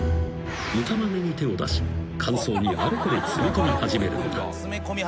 ［歌まねに手を出し間奏にあれこれ詰め込み始めるのだ］